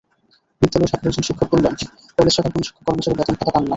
বিদ্যালয় শাখার একজন শিক্ষক বললেন, কলেজ শাখার কোনো শিক্ষক-কর্মচারী বেতন-ভাতা পান না।